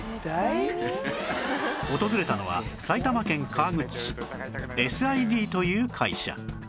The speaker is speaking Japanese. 訪れたのは埼玉県川口市 ｓｉｄ という会社